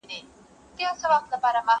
هغه په خپله څېړنه کي ډېر بوخت و.